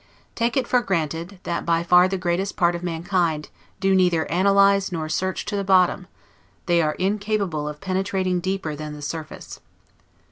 Take it for granted, that by far the greatest part of mankind do neither analyze nor search to the bottom; they are incapable of penetrating deeper than the surface.